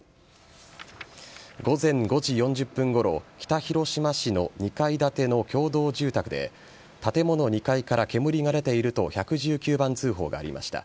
午前５時４０分ごろ北広島市の２階建ての共同住宅で建物２階から煙が出ていると１１０番通報がありました。